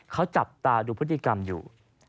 เขาจับตาดูพฤติกรรมอยู่